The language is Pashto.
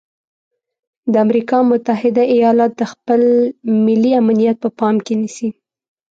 د امریکا متحده ایالات د خپل ملي امنیت په پام کې نیسي.